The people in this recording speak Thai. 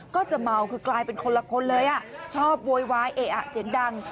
ก็จะเมาคือกลายเป็นคนละคนเลยชอบโวยวายเออะเสียงดัง